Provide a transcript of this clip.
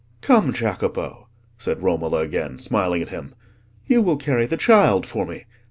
"Come, Jacopo," said Romola again, smiling at him, "you will carry the child for me.